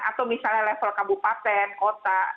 atau misalnya level kabupaten kota